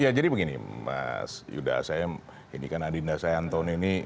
ya jadi begini mas yudha saya ini kan adinda sayanto ini